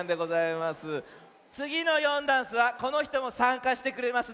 つぎの「よんだんす」はこのひともさんかしてくれます。